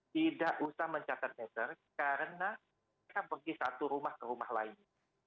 tidak usah mencatat meter karena mereka pergi satu rumah ke rumah lainnya